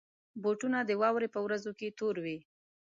بوټونه د واورې پر ورځو کې تور وي.